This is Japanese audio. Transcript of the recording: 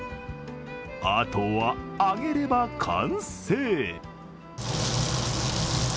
あとは揚げれば完成。